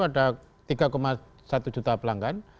pelanggan terdampak itu ada tiga satu juta pelanggan